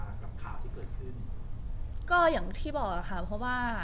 กับข่าวที่เกิดขึ้นก็อย่างที่บอกค่ะเพราะว่า